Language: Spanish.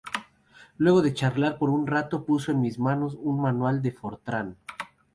Luego de charlar por un rato, puso en mis manos un manual de Fortran.